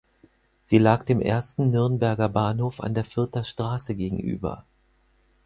Sie lag dem ersten Nürnberger Bahnhof an der Fürther Straße gegenüber.